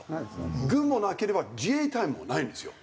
軍もなければ自衛隊もないんですよ。